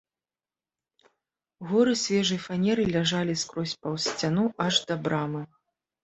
Горы свежай фанеры ляжалі скрозь паўз сцяну аж да брамы.